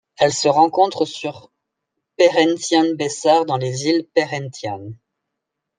Elle se rencontre sur Perhentian Besar dans les îles Perhentian.